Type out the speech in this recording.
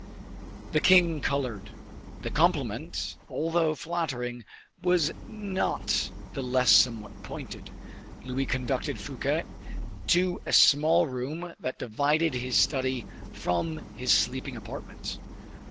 The king colored. The compliment, although flattering, was not the less somewhat pointed. Louis conducted Fouquet to a small room that divided his study from his sleeping apartment.